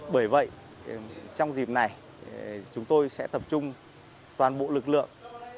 bởi vậy trong dịp này chúng tôi sẽ tập trung toàn bộ lực lượng